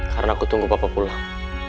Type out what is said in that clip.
karena aku tunggu papa pulang